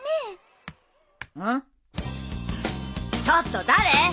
ちょっと誰？